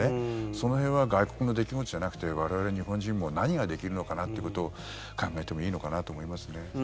その辺は外国の出来事じゃなくて我々、日本人も何ができるのかなということを考えてもいいのかなと思います。